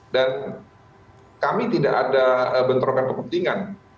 dan kami tidak ada bentrokan kepentingan